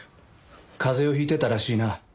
風邪をひいてたらしいな。